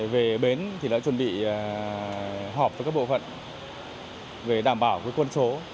về bến thì đã chuẩn bị họp với các bộ phận về đảm bảo với quân số